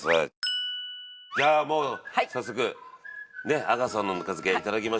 じゃあもう早速阿川さんのぬか漬け頂きましょう。